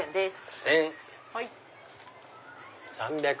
１０００。